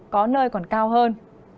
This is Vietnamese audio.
có nơi còn cao hơn